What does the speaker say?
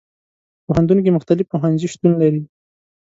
پوهنتون کې مختلف پوهنځي شتون لري.